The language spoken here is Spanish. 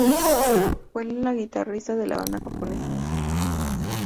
Fue la guitarrista de la banda japonesa Princess Princess.